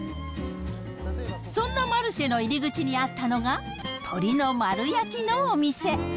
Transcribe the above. そんなマルシェの入り口にあったのが、鶏の丸焼きのお店。